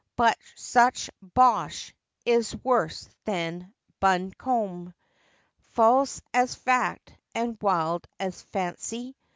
But such "bosh" is worse than " buncombe;" False as fact and wild as fancy.